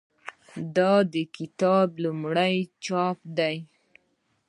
دا د کتاب لومړی چاپ دی.